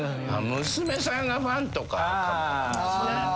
娘さんがファンとかかも。